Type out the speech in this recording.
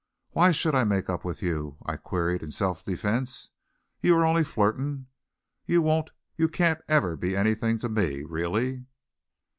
"Why should I make up with you?" I queried in self defense. "You are only flirting. You won't you can't ever be anything to me, really."